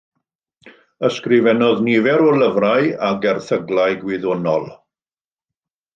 Ysgrifennodd nifer o lyfrau ac erthyglau gwyddonol.